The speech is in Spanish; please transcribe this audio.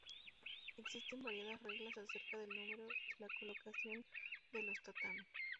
Existen variadas reglas acerca del número y la colocación de los tatami.